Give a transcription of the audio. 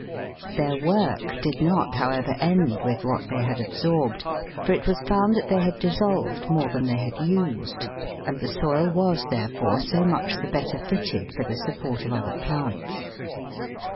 Their work did not, however, end with what they had absorbed, for it was found that they had dissolved more than they had used, and the soil was, therefore, so much the better fitted for the support of other plants.